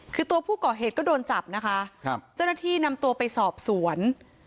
คือตัวผู้เกาะเหตุก็โดนจับนะคะจัดนาที่นำตัวไปสอบสวน